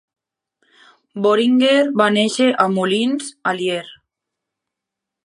Bohringer va néixer a Moulins, Allier.